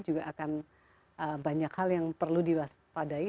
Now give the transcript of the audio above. juga akan banyak hal yang perlu diwaspadai